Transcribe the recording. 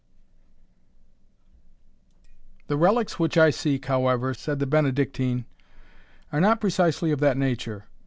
"The relics which I seek, however," said the Benedictine, "are not precisely of that nature.